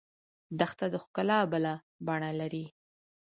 دښته د ښکلا بله بڼه لري.